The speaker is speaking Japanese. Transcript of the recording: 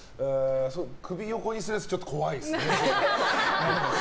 首を横にするやつちょっと怖いですね。